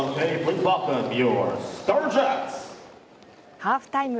ハーフタイム